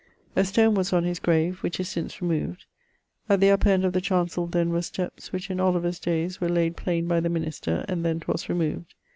A stone was on his grave, which is since removed. At the upper end of the chancell then were steppes, which in Oliver's dayes were layd plaine by the minister, and then 'twas removed.